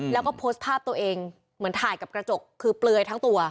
แล้วก็โพสต์ภาพตัวเองเหมือนถ่ายกับกระจกคือเปลือยทั้งตัว